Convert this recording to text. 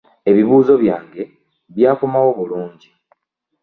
Ebibuuzo byange byakomawo bulungi.